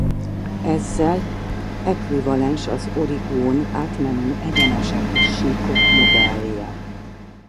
Ezzel ekvivalens az origón átmenő egyenesek és síkok modellje.